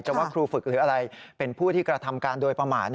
ว่าครูฝึกหรืออะไรเป็นผู้ที่กระทำการโดยประมาท